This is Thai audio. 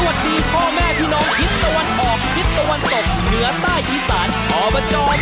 ได้แล้ว